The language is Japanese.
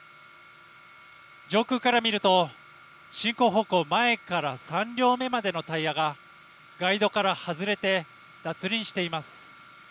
上空から見ると、進行方向前から３両目までのタイヤがガイドから外れて脱輪しています。